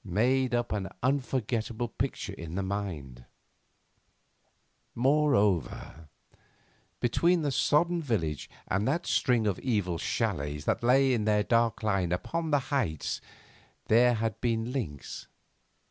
made up an unforgettable picture in the mind. Moreover, between the sodden village and that string of evil châlets that lay in their dark line upon the heights there had been links.